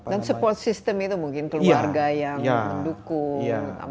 dan support system itu mungkin keluarga yang mendukung